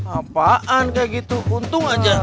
apaan kayak gitu untung aja